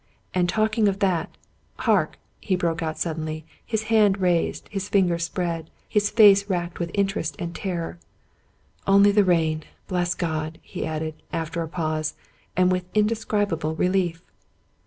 And talking of that — Hark !" he broke out suddenly, his hand raised, his fingers spread, his face racked with interest and terror. " Only the rain, bless God !" he added, after a pause, and with indescribable relief.